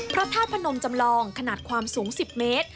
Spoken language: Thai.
พระธาตุพนมจำลองขนาดความสูง๑๐เมตร